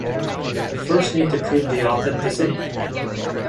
We first need to prove the authenticity?